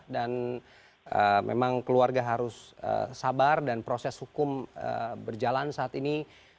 dan memang keluarga harus sabar dan proses hukum berjalan saat ini